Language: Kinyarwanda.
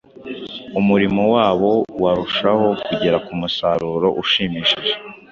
umurimo wabo warushaho kugera ku musaruro ushimishije.